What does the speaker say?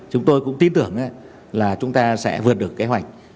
chúng tôi cũng tin tưởng là chúng ta sẽ vượt được kế hoạch